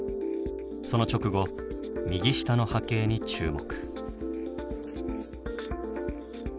その直後右下の波形に注目。